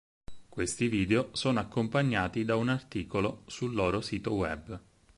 Questi video sono accompagnati da un articolo sul loro sito web.